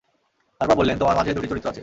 তারপর বললেন, তোমার মাঝে দুটি চরিত্র আছে।